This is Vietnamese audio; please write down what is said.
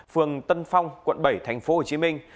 phường tân phong quận bảy thành phố hồ chí minh